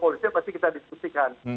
polisnya pasti kita diskusikan